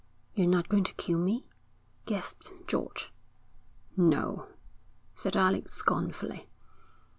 'You're not going to kill me?' gasped George. 'No,' said Alec scornfully.